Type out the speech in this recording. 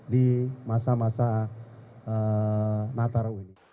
di masa masa natal